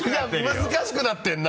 難しくなってるな！